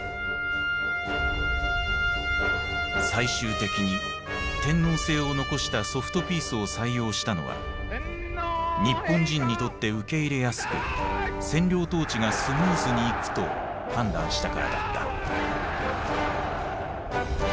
最終的に天皇制を残した「ソフトピース」を採用したのは日本人にとって受け入れやすく占領統治がスムーズにいくと判断したからだった。